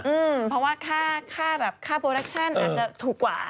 อืมเพราะว่าค่าโปรดักชั่นอาจจะถูกกว่า